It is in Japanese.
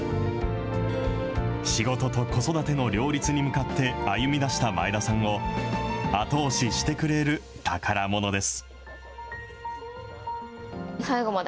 仕事と子育ての両立に向かって歩み出した前田さんを後押ししてくれる宝ものです。